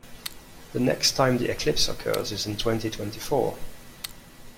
The next time the eclipse occurs is in twenty-twenty-four.